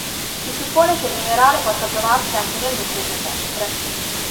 Si suppone che il minerale possa trovarsi anche nel nucleo terrestre.